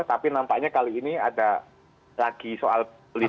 tapi nampaknya kali ini ada lagi soal polisi